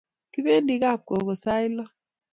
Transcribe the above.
Kipendi kap gogo sait lo